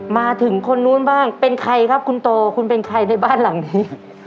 มาถึงคนนู้นบ้างเป็นใครครับคุณโตคุณเป็นใครในบ้านหลังนี้